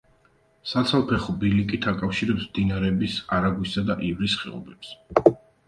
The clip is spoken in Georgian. საცალფეხო ბილიკით აკავშირებს მდინარების არაგვისა და ივრის ხეობებს.